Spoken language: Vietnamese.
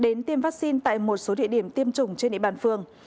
đến tiêm vaccine tại một số địa điểm tiêm chủng trên địa bàn phường